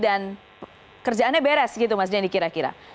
dan kerjaannya beres gitu mas denny kira kira